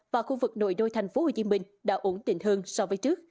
và khu vực nội đô tp hcm đã ổn định hơn so với trước